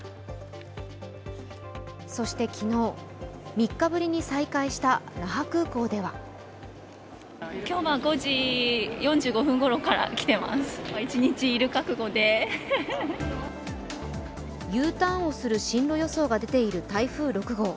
そして昨日、３日ぶりに再開した那覇空港ではＵターンをする進路予想が出ている台風６号。